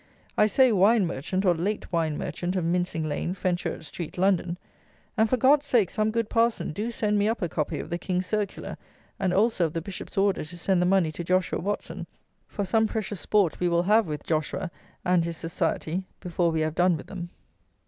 I say wine merchant, or late wine merchant, of Mincing Lane, Fenchurch Street, London. And, for God's sake, some good parson, do send me up a copy of the King's circular, and also of the bishop's order to send the money to Joshua Watson; for some precious sport we will have with Joshua and his "Society" before we have done with them!